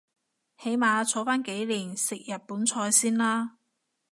起碼坐返幾年食日本菜先啦